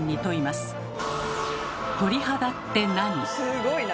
すごいな！